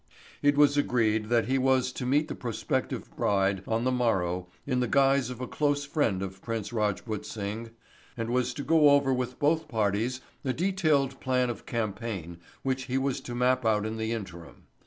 It was agreed that he was to meet the prospective bride on the morrow in the guise of a close friend of Prince Rajput Singh and was to go over with both parties a detailed plan of campaign which he was to map out in the interim.